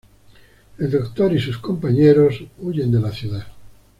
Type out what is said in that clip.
El Doctor y sus compañeros huyen de la ciudad.